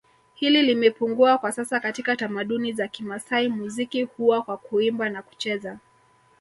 hili limepungua kwa sasa katika tamaduni za Kimasai muziki huwa kwa Kuimba na kucheza